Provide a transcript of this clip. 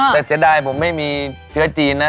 แต่จะได้ผมไม่มีเชื้อจีนนะ